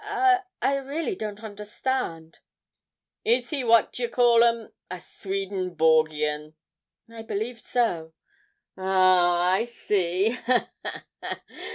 'I I really don't understand.' 'Is he a what d'ye call'em a Swedenborgian?' 'I believe so.' 'Oh, I see; ha, ha, ha!